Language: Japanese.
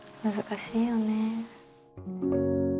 むずかしいよね。